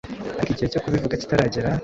ariko igihe cyo kubivuga kitaragera